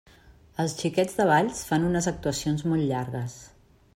Els Xiquets de Valls fan unes actuacions molt llargues.